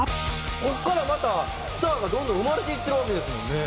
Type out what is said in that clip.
ここからまたスターがどんどん生まれていってるわけですもんね。